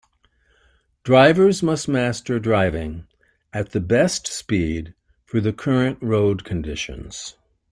Drivers must master driving at the best speed for the current road conditions.